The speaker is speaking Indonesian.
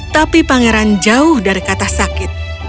tapi pangeran jauh dari kata sakit